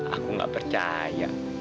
aku gak percaya